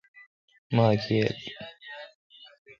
ماک ییل۔